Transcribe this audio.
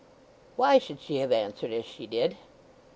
Why should she have answered as she did?